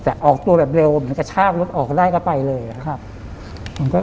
แต่ออกตัวแบบเร็วเหมือนกระชากรถออกได้ก็ไปเลยอะครับ